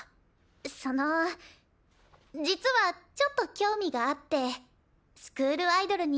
その実はちょっと興味があってスクールアイドルに。